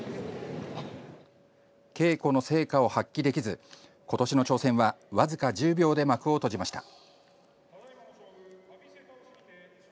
稽古の成果を発揮できず今年の挑戦は僅か１０秒で幕を閉じました。